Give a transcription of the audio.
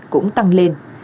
cũng tăng lên